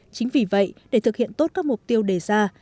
chính vì vậy để thực hiện tốt các mục tiêu đề ra